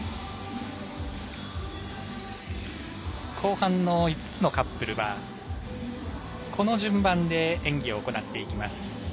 後半の５つのカップルはこの順番で演技を行っていきます。